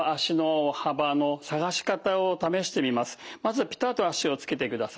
まずピタッと足をつけてください。